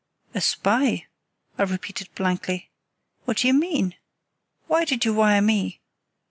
"A spy!" I repeated blankly. "What do you mean? Why did you wire to me?